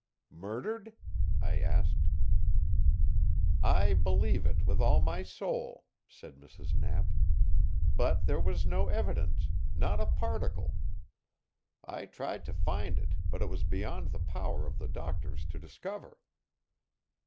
"Murdered?" I asked. "I believe it with all my soul," said Mrs. Knapp. "But there was no evidence not a particle. I tried to find it, but it was beyond the power of the doctors to discover."